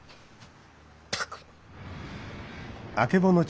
ったく。